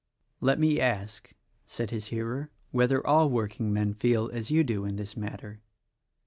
"Let me ask," said his hearer, "whether all work ingmen feel as you do in this matter?"